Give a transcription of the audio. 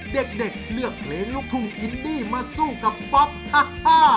เด็กเลือกเพลงลูกทุ่งอินดี้มาสู้กับป๊อปฮา